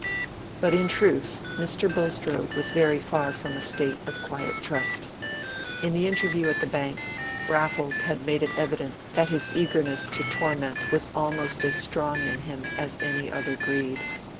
But in truth Mr. Bulstrode was very far from a state of quiet trust. In the interview at the Bank, Raffles had made it evident that his eagerness to torment was almost as strong in him as any other greed.